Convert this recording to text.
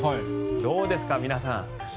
どうですか、皆さん。